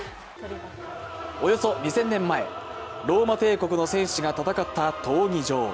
およそ２０００年前ローマ帝国の戦士が戦った闘技場